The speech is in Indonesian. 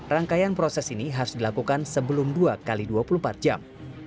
rangkaian proses ini harus dilakukan sebelum dua x dua puluh empat jam